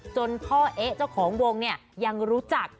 จนพ่อเอ๊ะเจ้าของวงเนี่ยยังรู้จัก